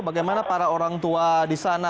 bagaimana para orang tua disana